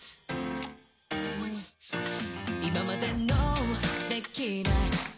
今までの“できない”は